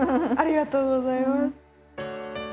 ありがとうございます。